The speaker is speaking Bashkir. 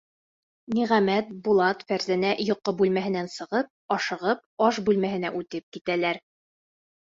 Ниғәмәт, Булат, Фәрзәнә йоҡо бүлмәһенән сығып, ашығып, аш бүлмәһенә үтеп китәләр.